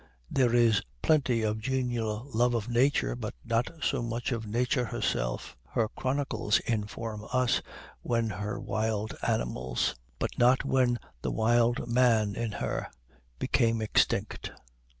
There is plenty of genial love of Nature, but not so much of Nature herself. Her chronicles inform us when her wild animals, but not when the wild man in her, became extinct.